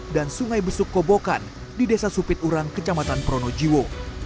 dan sungai besuk kobokan di desa supit urang kecamatan pronojiwo